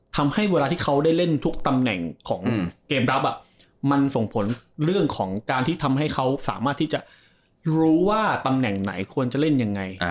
ทำให้เวลาที่เขาได้เล่นทุกตำแหน่งของเกมรับมันส่งผลเรื่องของการที่ทำให้เขาสามารถที่จะรู้ว่าตำแหน่งไหนควรจะเล่นยังไง